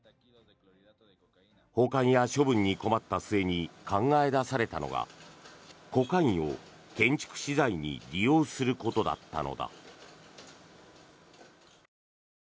保管や処分に困った末に考え出されたのがコカインを建築資材に利用することだったのだ。